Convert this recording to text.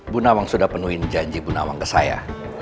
bu nawang sudah penuhin janji bu nawang ke saya